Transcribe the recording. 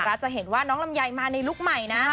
จะเห็นว่าน้องลำไยมาในลุคใหม่นะ